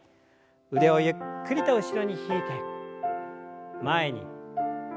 腕をゆっくりと後ろに引いて前に。